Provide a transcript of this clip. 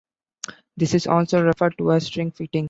This is also referred to as shrink-fitting.